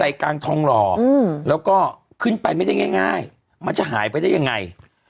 กลางทองหล่อแล้วก็ขึ้นไปไม่ได้ง่ายมันจะหายไปได้ยังไง